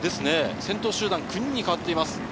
先頭集団が９人に変わっています。